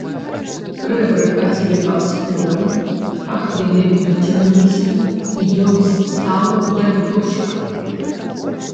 Рэбры хадзілі пад скурай, пахвіны выцягнуліся, і ён стаў, як дошка.